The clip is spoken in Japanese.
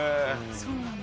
そうなんだ。